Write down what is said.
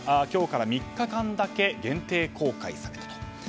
今日から３日間だけ限定公開されたと。